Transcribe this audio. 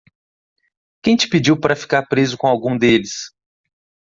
Quem te pediu para ficar preso com algum deles?